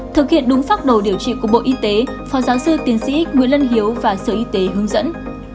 thực hiện đúng pháp đồ điều trị của bộ y tế phó giáo sư tiến sĩ nguyễn lân hiếu và sở y tế hướng dẫn